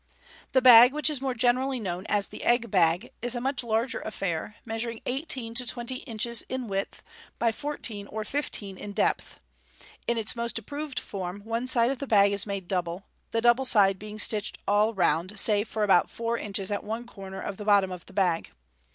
The bag which is more generally known as the "egg bag is a much larger affair, measuring eighteen to twenty inches in width, by four teen or fifteen in depth. In its most approved form, one side of the bag is made double, the double side being stitched all round, save for about four inches at one corner of the bottom of the bag.